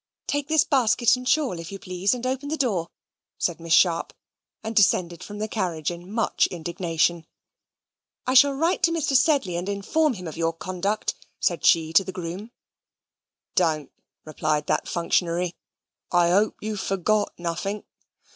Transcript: "Take this basket and shawl, if you please, and open the door," said Miss Sharp, and descended from the carriage in much indignation. "I shall write to Mr. Sedley and inform him of your conduct," said she to the groom. "Don't," replied that functionary. "I hope you've forgot nothink?